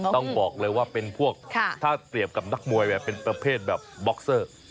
ต้องบอกเลยว่าเป็นพวกถ้าเปรียบกับนักมวยแบบเป็นประเภทแบบบ็อกเซอร์